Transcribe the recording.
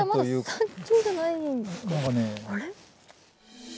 あれ？